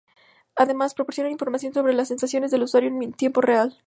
Además, proporciona información sobre las sensaciones del usuario en tiempo real.